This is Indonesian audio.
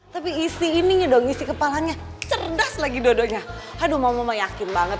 tapi isi ini dong isi kepalanya cerdas lagi dodonya aduh mau yakin banget